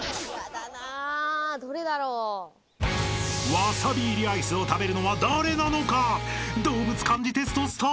［ワサビ入りアイスを食べるのは誰なのか？］